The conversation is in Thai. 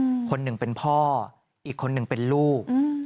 คนหนึ่งเป็นพ่ออีกคนหนึ่งเป็นลูกอืม